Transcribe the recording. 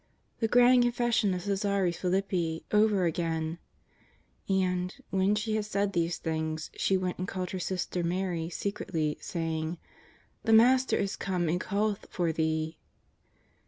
The grand confession of Csesarea Philippi over again ! And, when she had said these things, she went and called her sister Mary secretly, saying :" The Mas* " ter is come and calleth for thee."